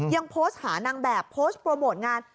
ยังโพสต์หานางแบบโพสต์โปรโมทงาน